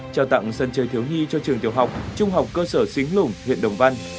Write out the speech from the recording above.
trao tặng sân chơi thiếu nghi cho trường tiểu học trung học cơ sở xính lủng huyện đồng văn